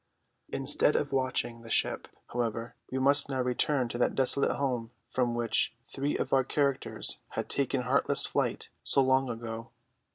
Instead of watching the ship, however, we must now return to that desolate home from which three of our characters had taken heartless flight so long ago.